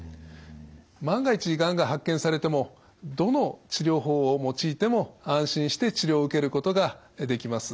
万が一がんが発見されてもどの治療法を用いても安心して治療を受けることができます。